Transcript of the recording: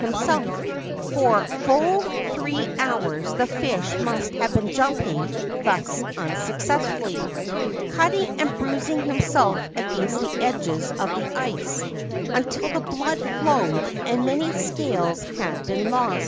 For full three hours the fish must have been jumping thus unsuccessfully, cutting and bruising himself against the edges of the ice until the blood flowed and many scales had been lost.